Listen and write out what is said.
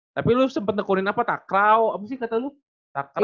tapi lu sempat nekurin apa takraw apa sih kata lu takraw